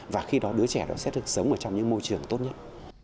và khi đó đứa trẻ sẽ được sống trong những môi trường tốt nhất